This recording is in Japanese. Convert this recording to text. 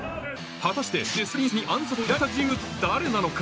果たしてデス・プリンスに暗殺を依頼した人物は誰なのか？